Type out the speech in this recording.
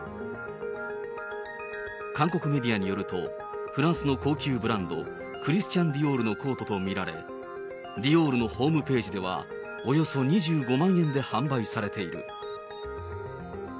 韓国メディアによると、フランスの高級ブランド、クリスチャン・ディオールのコートと見られ、ディオールのホームページではおよそ２５万円で販売されている。